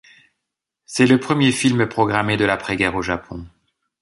C'est le premier film programmé de l'après guerre au Japon.